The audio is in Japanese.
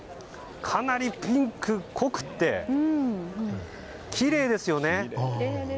かなりピンクが濃くてきれいですよね。